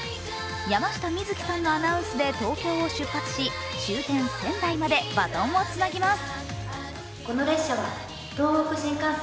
山下美月さんのアナウンスで東京を出発し終点・仙台までバトンをつなぎます